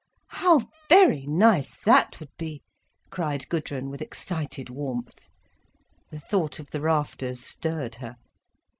"How very nice that would be!" cried Gudrun, with excited warmth. The thought of the rafters stirred her.